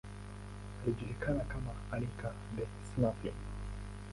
Alijulikana kama Anica the Snuffling.